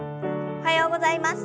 おはようございます。